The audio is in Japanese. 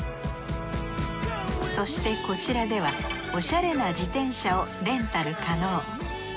そしてこちらではオシャレな自転車をレンタル可能。